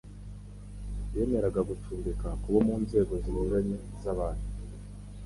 Yemeraga gucumbika ku bo mu nzego zinyuranye z'abantu,